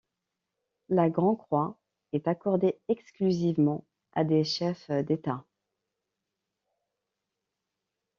La Grand-Croix est accordé exclusivement à des chefs d'États.